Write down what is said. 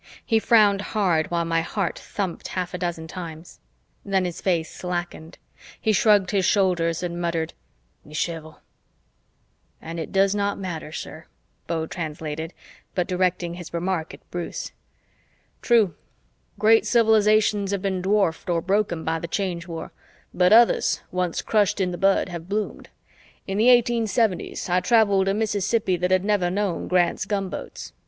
He frowned hard while my heart thumped half a dozen times. Then his face slackened, he shrugged his shoulders and muttered, "Nichevo." "And it does not matter, sir," Beau translated, but directing his remark at Bruce. "True, great civilizations have been dwarfed or broken by the Change War. But others, once crushed in the bud, have bloomed. In the 1870s, I traveled a Mississippi that had never known Grant's gunboats.